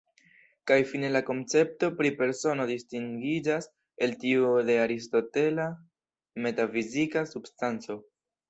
Kaj fine la koncepto pri persono distingiĝas el tiu de aristotela metafizika substanco.